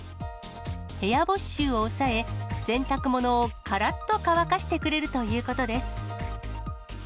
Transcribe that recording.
部屋干し臭を抑え、洗濯物をからっと乾かしてくれるということです。